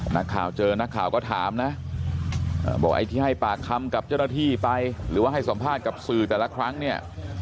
นักข่าวเจอนักข่าวก็ถามนะบอกไอ้ที่ให้ปากคำกับเจ้าหน้าที่ไปหรือว่าให้สัมภาษณ์กับสื่อแต่ละครั้งเนี่ย